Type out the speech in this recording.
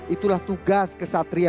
itulah tugas ksatria